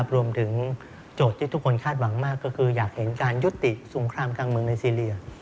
โจทย์ที่ทุกคนคาดหวังมากก็คืออยากเห็นการยุติสงครามกลางเมืองในซีเรีย